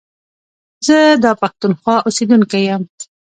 زه دا پښتونخوا اوسيدونکی يم.